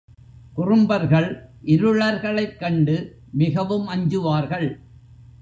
குறும்பர்கள் இருளர்களைக் கண்டு மிகவும் அஞ்சுவார்கள்.